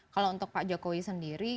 kalau untuk pak jokowi sendiri